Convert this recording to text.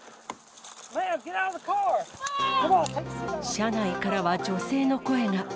車内からは女性の声が。